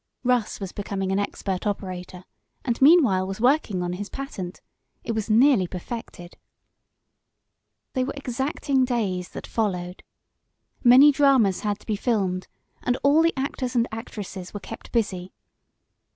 Russ was becoming an expert operator, and meanwhile was working on his patent. It was nearly perfected. They were exacting days that followed. Many dramas had to be filmed, and all the actors and actresses were kept busy.